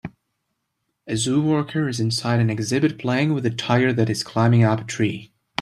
A zoo worker is inside an exhibit playing with a tiger that is climbing up a tree